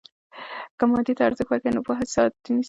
که مادیې ته ارزښت ورکوو، نو پوهه ساه نیسي.